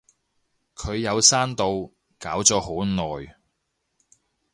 佢有刪到，搞咗好耐